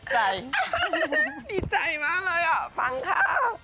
ดีใจมากเลยอ่ะฟังข่าว